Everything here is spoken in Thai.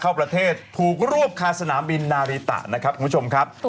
เข้าประเทศถูกรวบคาสนามบินนาริตะนะครับคุณผู้ชมครับ